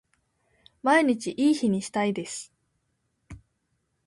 毎日いい日にしたいです